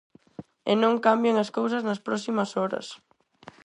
E non cambian as cousas nas próximas horas.